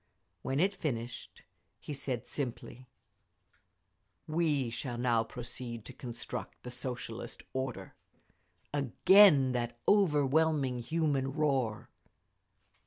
When it finished, he said simply, "We shall now proceed to construct the Socialist order!" Again that overwhelming human roar.